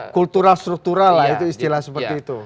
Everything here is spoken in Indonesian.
kultural struktural lah itu istilah seperti itu